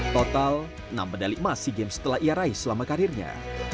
total enam medali emas sea games telah ia raih selama karirnya